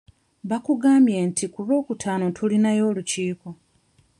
Baakugambye nti ku lwokutaano tulinayo olukiiko?